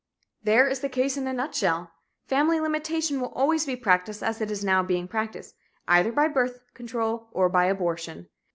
There is the case in a nutshell. Family limitation will always be practiced as it is now being practiced either by birth control or by abortion.